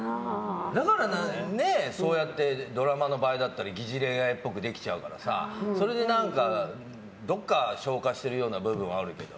だから、そうやってドラマの場合だったら疑似恋愛っぽくできちゃうからさそれで、何かどっか消化してるような部分はあるけど。